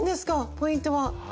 ポイントは。